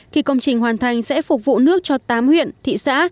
khi công trình hoàn thành sẽ phục vụ nước cho tám huyện thị xã